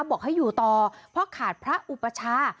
บอกให้อยู่ต่อเพราะขาดพระอุปชา